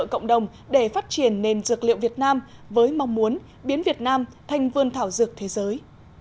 cộng đồng để phát triển nền dược liệu việt nam với mong muốn biến việt nam thành vươn thảo dược thế giới